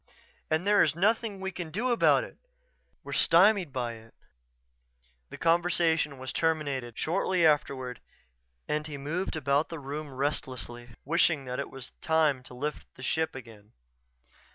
And there is nothing we can do about it. We're stymied by it...." The conversation was terminated shortly afterward and he moved about the room restlessly, wishing it was time to lift ship again.